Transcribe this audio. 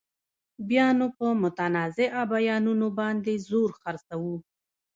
بیا نو په متنازعه بیانونو باندې زور خرڅوو.